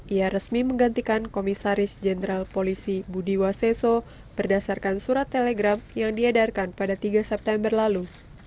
ia resmi menggantikan komisaris jenderal polisi budi waseso berdasarkan surat telegram yang diedarkan pada tiga september lalu